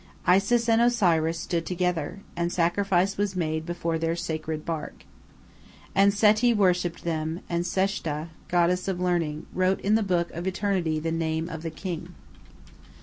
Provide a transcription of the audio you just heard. Isis and Osiris stood together, and sacrifice was made before their sacred bark. And Seti worshipped them, and Seshta, goddess of learning, wrote in the book of eternity the name of the king.